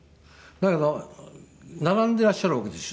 だけど並んでいらっしゃるわけですよ